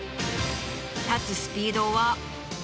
立つスピードは。